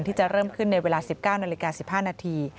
ที่จะเริ่มขึ้นในเวลา๑๙นาฬิกา๑๕นาที